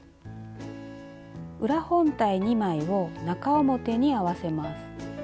裏本体２枚を中表に合わせます。